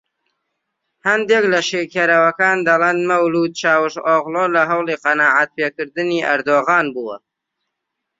هەندێک لە شیکەرەوەکان دەڵێن مەولود چاوشئۆغڵو لە هەوڵی قەناعەتپێکردنی ئەردۆغان بووە